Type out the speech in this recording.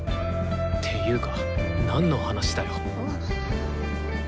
ていうかなんの話だよ？